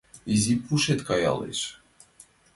Изи пушет каялеш...